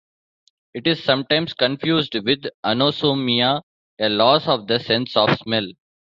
It is sometimes confused with anosmia - a loss of the sense of smell.